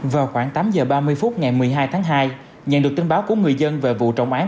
vào khoảng tám h ba mươi phút ngày một mươi hai tháng hai nhận được tin báo của người dân về vụ trọng án